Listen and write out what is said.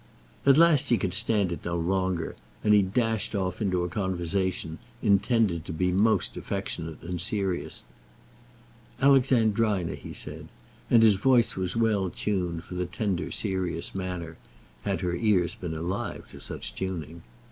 At last he could stand it no longer, and he dashed off into a conversation, intended to be most affectionate and serious. "Alexandrina," he said, and his voice was well tuned for the tender serious manner, had her ears been alive to such tuning.